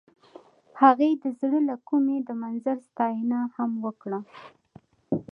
هغې د زړه له کومې د منظر ستاینه هم وکړه.